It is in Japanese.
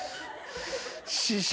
師匠。